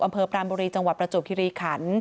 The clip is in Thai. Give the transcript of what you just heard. อำเภอปราณบุรีจังหวัดประจบคิริขันฯ